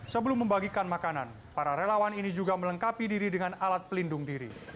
sebelum membagikan makanan para relawan ini juga melengkapi diri dengan alat pelindung diri